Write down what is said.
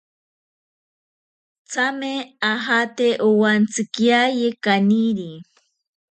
Tsame ajate owantsikiaye kaniri.